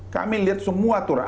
kami lihat semua turun